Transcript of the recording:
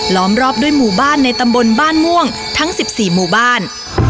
มรอบด้วยหมู่บ้านในตำบลบ้านม่วงทั้ง๑๔หมู่บ้าน